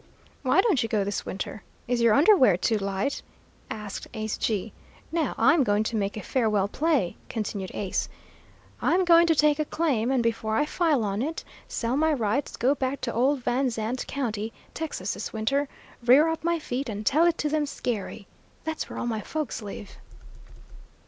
"Why don't you go this winter? Is your underwear too light?" asked Ace Gee. "Now, I'm going to make a farewell play," continued Ace. "I'm going to take a claim, and before I file on it, sell my rights, go back to old Van Zandt County, Texas, this winter, rear up my feet, and tell it to them scarey. That's where all my folks live."